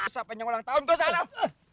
siapa yang ulang tahun kos aram